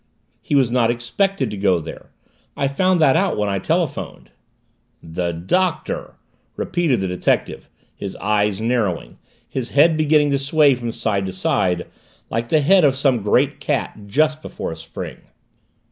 "He was not expected to go there. I found that out when I telephoned." "The Doctor!" repeated the detective, his eyes narrowing, his head beginning to sway from side to side like the head of some great cat just before a spring.